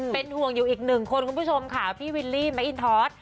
เป็นห่วงอยู่อีกหนึ่งคนคุณผู้ชมค่ะพี่วิลลี่แมคอินทอส